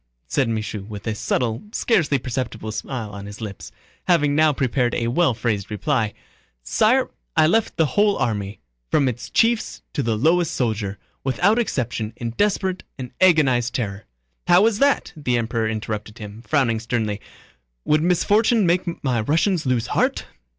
said Michaud with a subtle, scarcely perceptible smile on his lips, having now prepared a well phrased reply, "sire, I left the whole army, from its chiefs to the lowest soldier, without exception in desperate and agonized terror..." "How is that?" the Emperor interrupted him, frowning sternly. "Would misfortune make my Russians lose heart?...